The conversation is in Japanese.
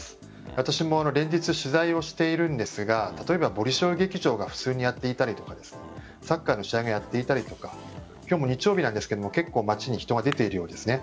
私も連日取材をしているんですが例えばボリショイ劇場が普通にやっていたりサッカーの試合がやっていたりとか今日も日曜日なんですが結構、街に人が出ているようです。